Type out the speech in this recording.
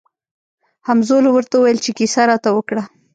هولمز ورته وویل چې کیسه راته وکړه.